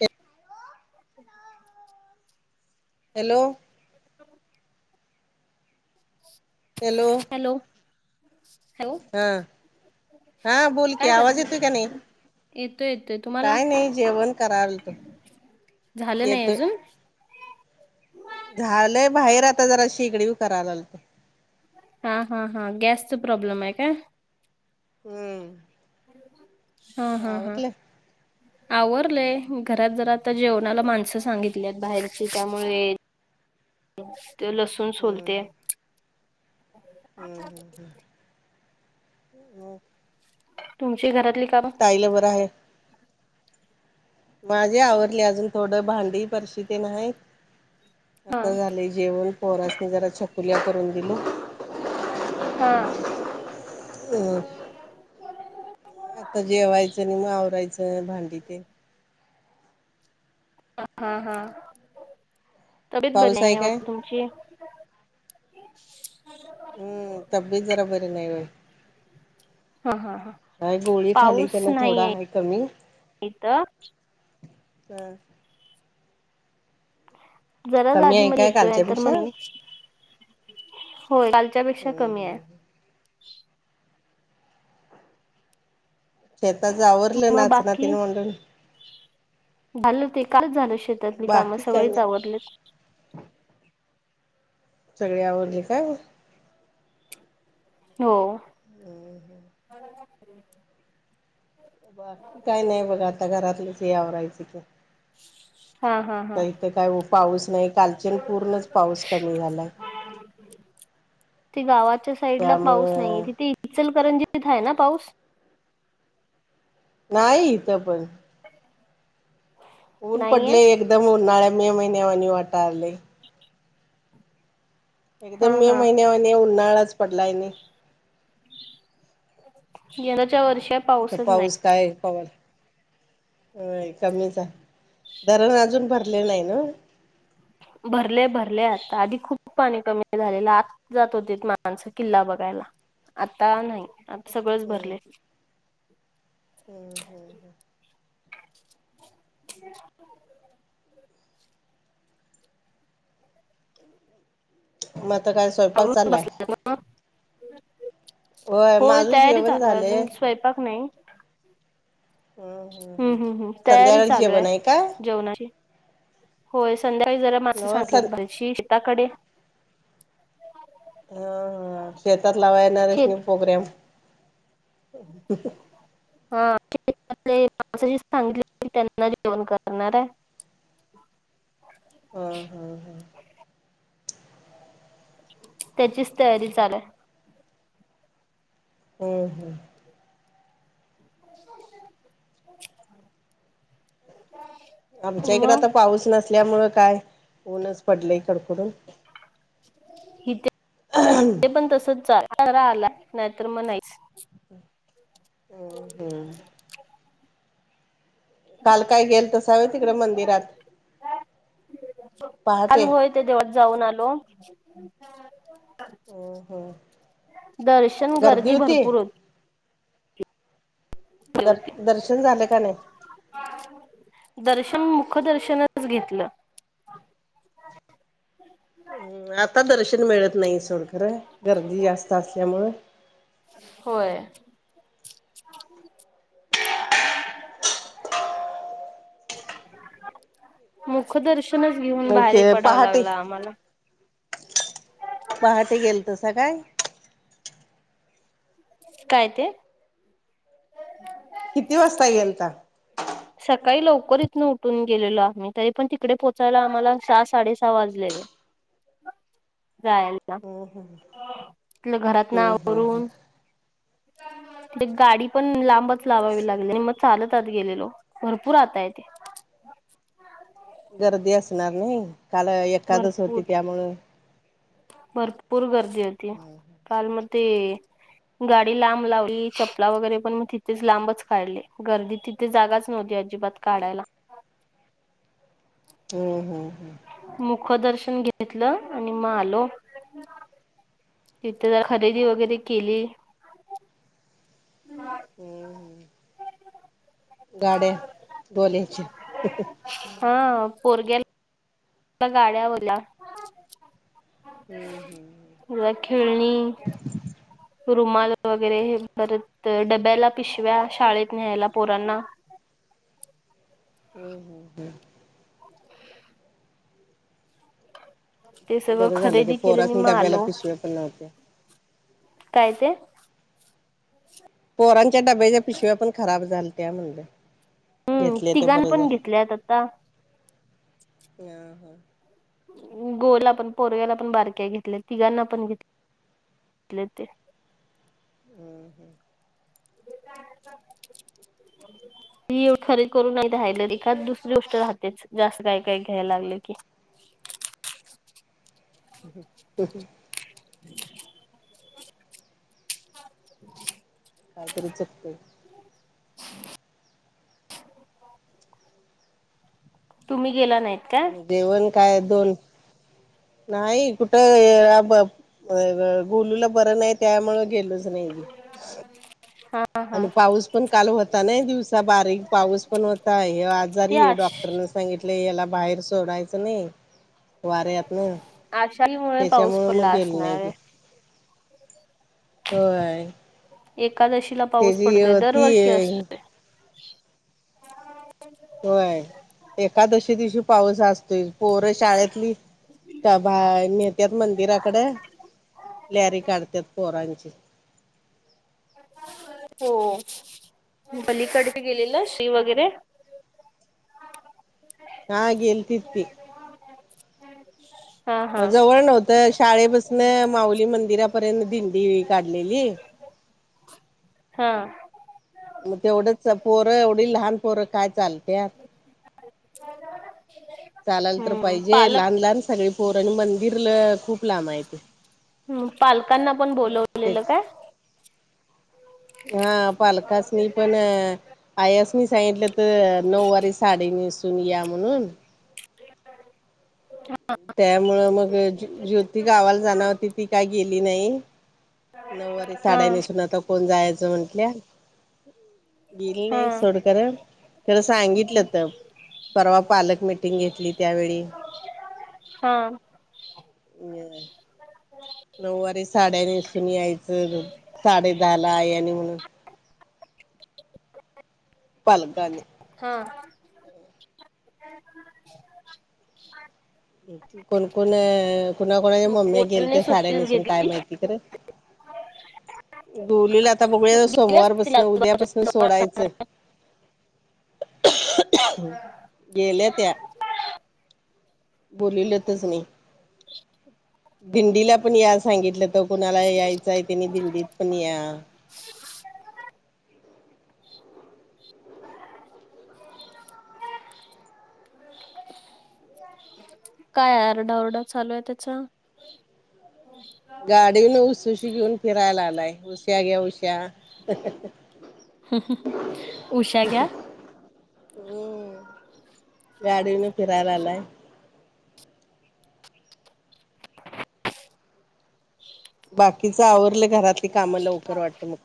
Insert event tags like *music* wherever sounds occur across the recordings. *inaudible* Hello. *inaudible* Hello. Hello hello. हा हा बोल की काय कर आवाज येतोय कणी. येतोय येतोय तुम्हाला काय नाही जेवण करालतो. झालं नाही अजून. झालंय बाहेर आता जरा शेकडी करायला लालतो. हा हा हा गॅसच प्रॉब्लेम आहे काय. हम्म. हा हा हा. आवरलं आवरलंय घरात जरा आता जेवनाला माणसं सांगितली आहेत बाहेरची त्यामुळे. ते लसूण हम्म सोलते. हम् हम. तुमची घरातली काम. आईला बरं आहे. माझे आवरली अजून थोडं भांडी परशी तेन आहे हा आता झाले. जेवण पोरासनी जरा छकुल्या करून दिलो. हा. हम्. आता जेवायचं आणि मग आवरायचं भांडी तेन. हा हा तब्येत बरी पाऊस आहे नाही काय वाटत तुमची. *inaudible* हम्म तब्येत जरा बरी नाही होय. हा हा हा काय गोळी खाली पाऊस त्यांन नाही थोडा आहे कमी. इथं हा. जरा कमी आधी आहे मध्ये काय येतोय नाही तर कालच्यापेक्षा नाही चं. होय कालच्या पेक्षा कमी हाय. हम्म शेतात आवरलं मग नाचना बाकी मांडून. झालं ते कालच झालं शेतातली कामं बाकी काही सगळेच नाही आवरलीत. सगळी आवरली काय. हो. बाकी काय नाही बघ आता, घरातलंच हे आवरायचं की. हा हा हा. ते काय ओ पाऊस नाही. कालच्यान पूर्णच पाऊस कमी झालायं. ते गावाच्या साईडला पाऊस नाही. तिथे इचलकरंजीत आहे ना पाऊस. नाही इथं पण. ऊन नाहीये पडलंय एकदम उन्हाळ्या मे महिन्या वाणी वाटालय. हा एकदम मे हा महिन्या वाणी उन्हाळाच पडलाय आणि. यंदाच्या वर्षात. आता पाऊस काय कवळ व्हय कमीच हाय. अजून भरले नाही नवं. भरले भरले आता आधी खूप पाणी कमी झालेलं आत जात होते. माणस किल्ला बघायला. आता नाही आता सगळंच भरलय. हम् हम् हम. *inaudible* मग आता काय स्वयंपाक आवरून चालाय. बसले होय माझं तयारी जेवण चालू झालंय अजून स्वयंपाक नाही. हम्म हम्म हम्म. तयारी संध्याकाळी चालू आहे जेवण काय जेवणाची. होय संध्याकाळी जरा माणसं हो सांगितलेत सं बाहेर ची शेताकडे. हा हा शेतात लावाय येणाऱ्या सनी शेत पोग्राम. *unintelligible* त्यांना जेवन करणार हाय. हा हा हा. त्यांचीच तयारी चालूय. हम हम. *inaudible* आमच्या इकडं मग आता पाऊस नसल्यामुळ काय ऊनच पडल कडकडून. इथे पण तसच आलाय नाहीतर नाहींच. हम हम्. काल काय गेलतासा होय तिकडे मंदिरात काल पहाटे. होय ते देवळात जाऊन आलो. हम्म हम्म दर्शन गर्दी भरपूर होती. द होती दर्शन झालं का नाही. दर्शन मुखदर्शनच घेतलं. हम् आता दर्शन मिळत नाही. सोड खर गर्दी जास्त असल्यामुळं. होय. *inaudible* मुखदर्शनच घेऊन बाहेर पडाव पहाटे लागला आम्हाला. पहाटे गेल तसा काय. काय ते. *unintelligible* किती वाजता गेलता. सकाळी लवकर हितन उठून गेलेलो. आम्ही तरी पण तिकडे पोहोचायला आम्हाला सहा साडे सहा वाजलेले. जाया मग घरातन हम्म हम्म आवरून. गाडी पण लांबच लावावी लागली. आणि मग चालत आत गेलेलो. भरपूर आत हाय ते. गर्दी असणार नाही. काल एक भरपूर भरपूर गर्दी होती. काल म ते, गाडी लांब लावली चपला वगैरे पण मी तिथेच लांबच काढले गर्दी तिथं. तिथं जागच नव्हती अजिबात काढायला. हम हम हम. मुख दर्शन घेतलो आणि मग आलो. तिथं जरा खरेदी वगैरे केली. गाड्या गोल्याची. हा पोरग्याल. गाड्या *unintelligible* हम्म हम्. खेळणी रुमाल वगैरे हे परत. तर डब्याला पिशव्या शाळेत न्यायला पोरांना. हम्म हम् हम्. *inaudible* ते सगळं बरं झालं ते खरेदी केले आणि पोरासनी मग डब्याला आलो पिशव्या पण नव्हत्या. काय ते, पोरांच्या डब्याच्या पिशव्या पण खराब झालत्या म्हणलं. हम्म घेतले ते तिघां बर पण झालं. घेतल्यात आता गोला पण पोरग्याला पण बारक्या घेतल्या तिघांना पण घेतले ते. हम्म हम्म. *inaudible* ती एक खरेदी करून नाही राहिल एखादं दुसरी गोष्ट राहतेच. जास्त काय काय घ्यायला लागलं की. *inaudible* *inaudible* कायतरी चुकतेय. *inaudible* तुम्ही गेला नाहीत. काय जेवण काय दोन, नाही कुठं गोलूला बरं नाही त्यामुळं गेलोच. नाही मी. हा. हा आणि पाऊस पण काल होता नी. दिवसा बारीक पाऊस पण होता. हे ते आजारी आहे आश डॉक्टर नस सांगितले याला बाहेर सोडायचं नाही. वाऱ्यात आषाढी मुळे पाऊस तेच्यामुळं मग पडला गेलो नाही असणार बी. आहे होय. एकादशीला पाऊस पडतोय त्याची ती दरवर्षी असतो. होय एकादशी दिवशी पाऊस अस ती पोर शाळेतली त्या बा न्हेतात मंदिराकड. रॅली काडत्यात पोरांची. हो पलीकड गेलेले ना श्री वगैरे. हा गेलतीत की. हा हा जवळ नव्हतं. शाळेपसन माऊली मंदिरापर्यंत दिंडी काढलेली. हा. मग तेवढंच पोरं एवढी लहान पोरं काय चालत्यात. *inaudible* चालाल तर हम्म पाहिजे पालक लहान लहान सगळी पोर मंदिरल खूप लांब आहे ते. ह पालकांना पण तेच बोलवलेलं काय. हा पालकासनी पण आयासनी सांगित तर नऊवारी साडी नेसून या म्हणून. *inaudible* त्यामुळं मग ज्योती गावाला जाणार होती. ती काय गेली नाही. नऊवारी हा साड्या नेसून आता कोण जायचं म्हंटल्या. गेली हा नाही सोड खर. खरं सांगितलंत परवा पालक मिटिंग घेतली त्यावेळी. हा. अ नऊवारी साड्यानेसून यायचं. साडे दहा ला आयानी म्हणून. पालकांनी. हां. *inaudible* कोणकोण कुणा कोणाच्या मग मम्मी गेल बोलून त्या साड्या सुट्टीच नेसून काय घेतली माहिती. *unintelligible* बोलू लाग आता बघूया असतील सोमवारपसन उद्यापासन सोडायचं. गेल्या त्या. *unintelligible* दिंडीला पण या सांगितलं तर कुणाला यायचाय त्यांनी दिंडीत पण या. काय आरडा ओरडा चालू ये त्यांचा. गाडीन वरन उसूशी घेऊन फिरायला आगलाय उशा घ्या उश्या. उषा घ्या. हम्म गाडी वरन फिरायला लागलाय. बाकीच आवरलं घरातली काम‌ लवकर वाटतं मग.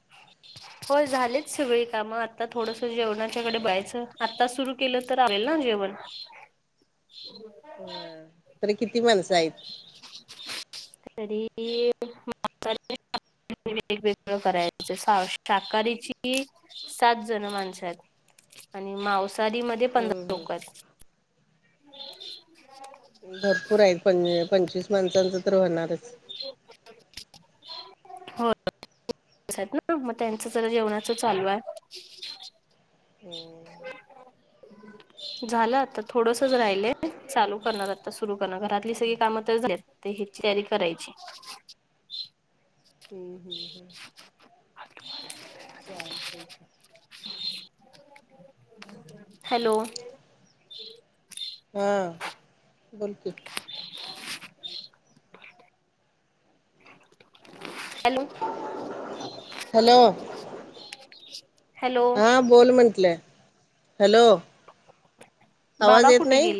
*inaudible* होय झालेच सगळी कामं. आता थोडंस जेवणाच्याकडे बघायचं. आत्ताच सुरू केलं तर आवरेल ना जेवण. *inaudible* होय तरी किती माणसं हायत? तरी *unintelligible* *unintelligible* शाकाहारी ची सात जण माणसं हायत आणि मांसाहारी मध्ये हम्म पंधरा लोकं हम्म हायत. *inaudible* भरपूर आहेत पं पंचवीस माणसांचं तर होणारच. *unintelligible* होय. *unintelligible* ना, मग त्यांचं जरा जेवणाच चालू हाय. हं. झालं आता थोडसंच राहिलंय. चालू करणार आता, सुरू करणार. घरातली सगळी कामं तर झाल्यात तेही तयारी करायची. *unintelligible* हं हं हं चालतंय. हॅलो. हां बोल की. Hello *unintelligible* hello. हॅलो. हा बोल म्हटलंय, हॅलो आवाज बाबा येत नाही?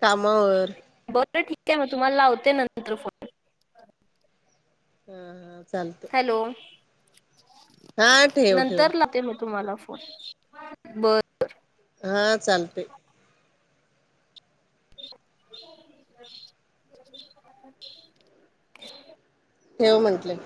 कामावर बर ठीक आहे, मग तुम्हाला लावते नंतर फोन. हा हा चाल हॅलो, हा ठेव ठेव नंतर लावते मी तुम्हाला फो *unintelligible* बर. हां चालतंय. *inaudible* ठेव म्हंटले.